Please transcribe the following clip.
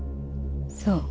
そう。